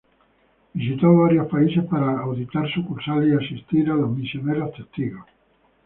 Visitó varios países para auditar sucursales y asistir a los misioneros Testigos.